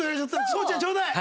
聡ちゃんちょうだい。